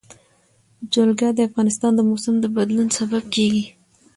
جلګه د افغانستان د موسم د بدلون سبب کېږي.